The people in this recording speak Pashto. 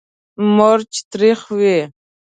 مرچ تریخ وي.